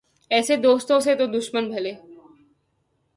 ایسے دوستو سے تو دشمن بھلے